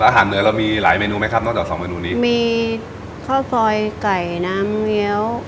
อาหารเหนือเรามีหลายเมนูไหมครับนอกจากสองเมนูนี้มีข้าวซอยไก่น้ำเงี้ยว